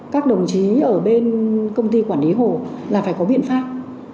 các đồng chí ở bên công ty quản lý hồ là phải có biện pháp